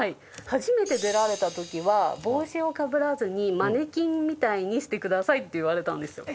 初めて出られた時は帽子をかぶらずに「マネキンみたいにしてください」って言われたんですよ。